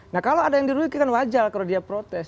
nah kalau ada yang dirugikan wajar kalau dia protes